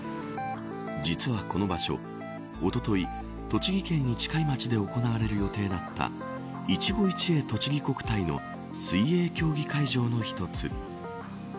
実は、この場所おととい、栃木県市貝町で行われる予定だったいちご一会とちぎ国体の水泳競技会場の一つ。